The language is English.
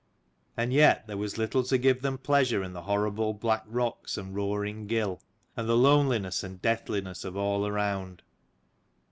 And yet there was little to give them pleasure in the horrible black rocks and roaring gill, and the loneliness and deathliness of all around.